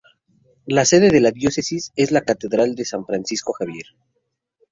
La sede de la Diócesis es la Catedral de San Francisco Javier.